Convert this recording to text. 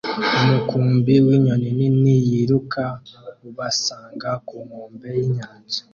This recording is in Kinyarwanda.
umukumbi winyoni nini yiruka ubasanga ku nkombe yinyanja